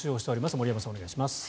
森山さん、お願いします。